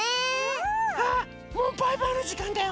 ああもうバイバイのじかんだよ。